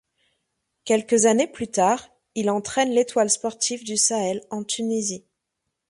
Quelques années plus tard, il entraîne l'Étoile sportive du Sahel en Tunisie.